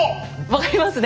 分かりますね？